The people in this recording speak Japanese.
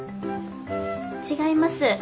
違います。